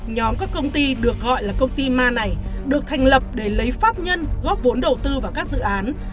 nhóm các công ty được gọi là công ty ma này được thành lập để lấy pháp nhân góp vốn đầu tư vào các dự án